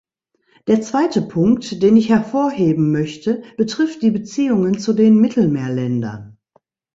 Der zweite Punkt, den ich hervorheben möchte, betrifft die Beziehungen zu den Mittelmeerländern.